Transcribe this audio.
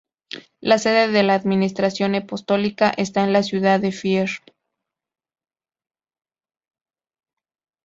La sede de la administración apostólica está en la ciudad de Fier.